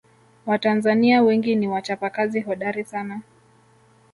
watanzania wengi ni wachapakazi hodari sana